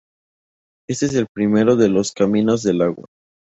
Este es el primero de los "Caminos del Agua".